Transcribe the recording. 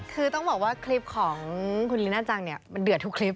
คือต้องบอกว่าคลิปของคุณลีน่าจังเนี่ยมันเดือดทุกคลิป